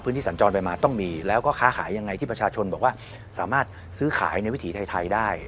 สัญจรไปมาต้องมีแล้วก็ค้าขายยังไงที่ประชาชนบอกว่าสามารถซื้อขายในวิถีไทยได้